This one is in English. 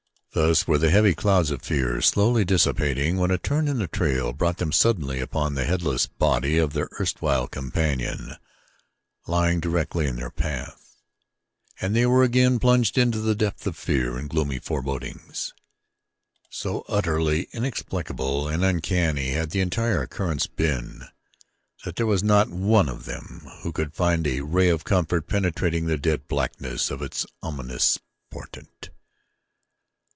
Thus were the heavy clouds of fear slowly dissipating when a turn in the trail brought them suddenly upon the headless body of their erstwhile companion lying directly in their path, and they were again plunged into the depth of fear and gloomy forebodings. So utterly inexplicable and uncanny had the entire occurrence been that there was not a one of them who could find a ray of comfort penetrating the dead blackness of its ominous portent.